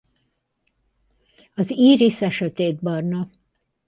Az írisze sötétbarna.